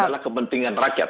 ini adalah kepentingan rakyat